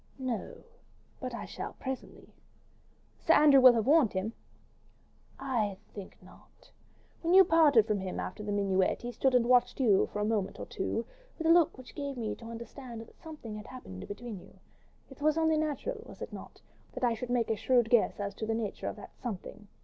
"No. But I shall presently." "Sir Andrew will have warned him." "I think not. When you parted from him after the minuet he stood and watched you, for a moment or two, with a look which gave me to understand that something had happened between you. It was only natural, was it not? that I should make a shrewd guess as to the nature of that 'something.